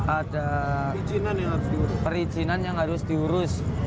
ada perizinan yang harus diurus